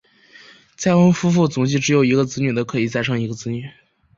再婚夫妇总计只有一个子女的可以再生育一个子女。